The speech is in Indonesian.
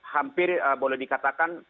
hampir boleh dikatakan